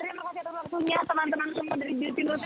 terima kasih atas waktunya teman teman semua dari justinus